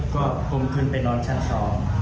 ก็ผมคืนไปนอนชาวของ